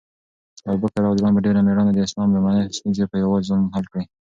ابوبکر رض په ډېره مېړانه د اسلام لومړنۍ ستونزې په یوازې ځان حل کړې.